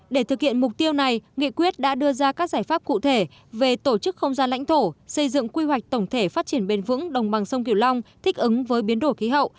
để thực hiện mục tiêu này nghị quyết đã đưa ra các giải pháp cụ thể về tổ chức không gian lãnh thổ xây dựng quy hoạch tổng thể phát triển bền vững đồng bằng sông kiều long thích ứng với biến đổi khí hậu